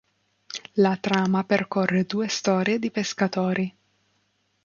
La trama percorre due storie di pescatori.